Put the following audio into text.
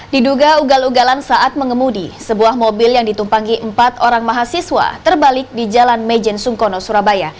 diduga ugal ugalan saat mengemudi sebuah mobil yang ditumpangi empat orang mahasiswa terbalik di jalan mejen sungkono surabaya